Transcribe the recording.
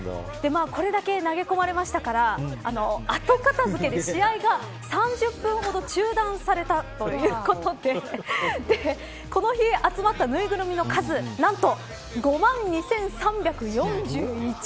これだけ投げ込まれましたから後片付けで試合が３０分ほど中断されたということでこの日、集まったぬいぐるみの数何と、５万２３４１。